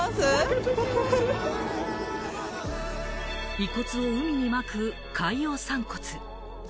遺骨を海にまく、海洋散骨。